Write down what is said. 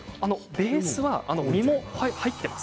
ベースは実も入っています。